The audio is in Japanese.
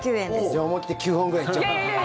じゃあ思い切って９本くらい行っちゃうか。